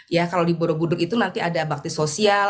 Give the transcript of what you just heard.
ya kalau di borobudur itu nanti ada bakti sosial